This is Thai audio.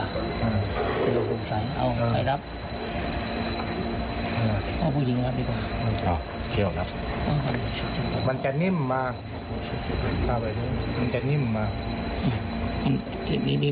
ในเวลทูลมันใส่เข้าไปไม่ได้